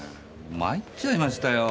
まいっちゃいましたよ。